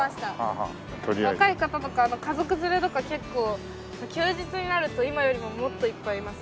若い方とか家族連れとか結構休日になると今よりももっといっぱいいます。